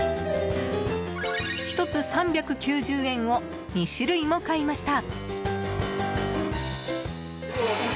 １つ３９０円を２種類も買いました。